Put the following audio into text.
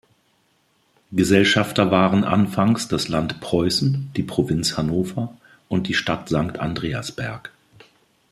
Gesellschafter waren anfangs das Land Preußen, die Provinz Hannover und die Stadt Sankt Andreasberg.